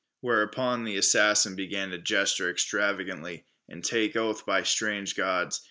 Whereupon the assassin began to gesture extravagantly, and take oath by strange gods.